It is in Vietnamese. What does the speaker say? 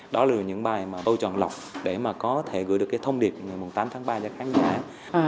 đó là những bài mà tôi chọn lọc để mà có thể gửi được cái thông điệp ngày tám tháng ba cho khán giả